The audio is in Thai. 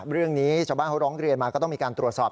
เรื่องนี้ชาวบ้านเขาร้องเรียนมาก็ต้องมีการตรวจสอบ